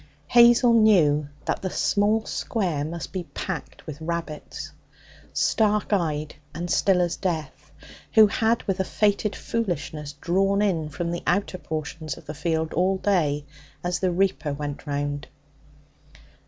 Hazel knew that the small square must be packed with rabbits, stark eyed and still as death, who had, with a fated foolishness, drawn in from the outer portions of the field all day as the reaper went round.